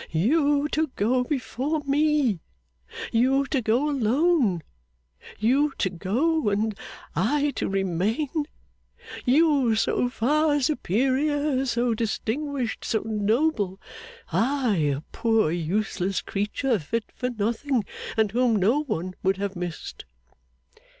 You to go before me; you to go alone; you to go, and I to remain! You, so far superior, so distinguished, so noble; I, a poor useless creature fit for nothing, and whom no one would have missed!